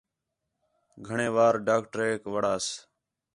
گھݨیں وار ڈاکٹریک وڑائس